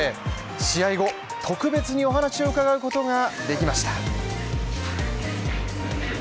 試合後、特別にお話を伺うことができました。